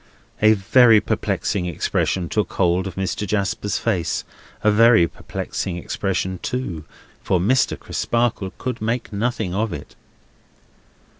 A very perplexed expression took hold of Mr. Jasper's face; a very perplexing expression too, for Mr. Crisparkle could make nothing of it.